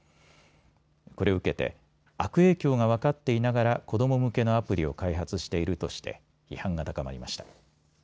これを受けて悪影響が分かっていながら子ども向けのアプリを開発しているとして批判が高まりました。